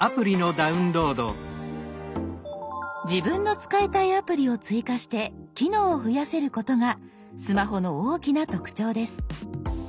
自分の使いたいアプリを追加して機能を増やせることがスマホの大きな特徴です。